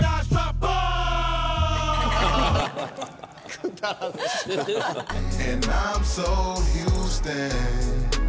くだらない。